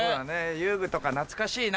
遊具とか懐かしいな。